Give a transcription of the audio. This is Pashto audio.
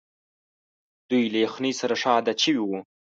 دوی له یخنۍ سره ښه عادت شوي وو.